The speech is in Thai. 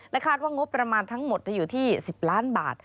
คาดว่างบประมาณทั้งหมดจะอยู่ที่๑๐ล้านบาท